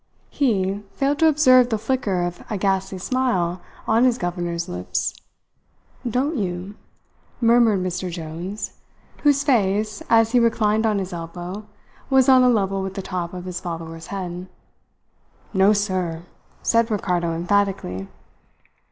He, failed to observe the flicker of a ghastly smile on his governor's lips. "Don't you?" murmured Mr. Jones, whose face, as he reclined on his elbow, was on a level with the top of his follower's head. "No, sir," said Ricardo emphatically.